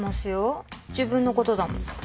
自分のことだもん。